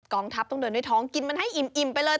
ทัพต้องเดินด้วยท้องกินมันให้อิ่มไปเลย